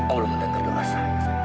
allah mendengar doa saya